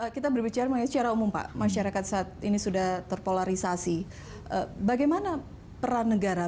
kita berbicara mengenai secara umum pak masyarakat saat ini sudah terpolarisasi bagaimana peran negara